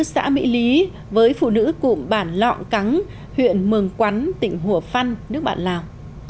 xã mỹ lý với phụ nữ cụm bản lọng cắng huyện mường quắn tỉnh hùa phăn nước bản lào